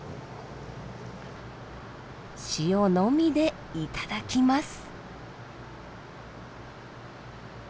塩のみで頂きます。